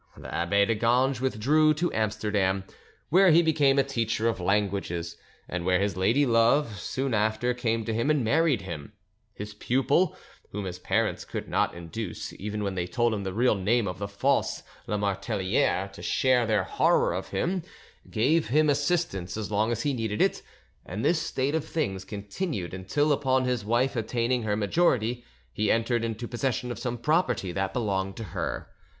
The abbe de Ganges withdrew to Amsterdam, where he became a teacher of languages, and where his lady love soon after came to him and married him: his pupil, whom his parents could not induce, even when they told him the real name of the false Lamartelliere, to share their horror of him, gave him assistance as long as he needed it; and this state of things continued until upon his wife attaining her majority he entered into possession of some property that belonged to her.